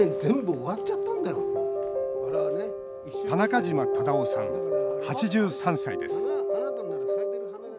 田中嶋忠雄さん、８３歳です。